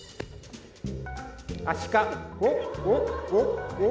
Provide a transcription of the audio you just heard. アシカ。